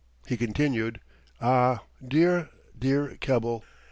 He continued: "Ah, dear, dear Keble!